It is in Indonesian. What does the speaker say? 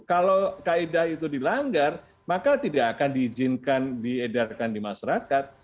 kalau kaedah itu dilanggar maka tidak akan diizinkan diedarkan di masyarakat